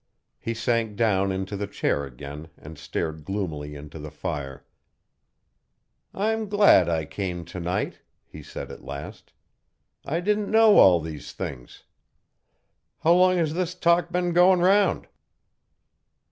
He sank down into the chair again and stared gloomily into the fire. "I'm glad I came to night," he said at last. "I didn't know all these things. How long has this talk been going round?"